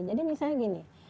jadi misalnya gini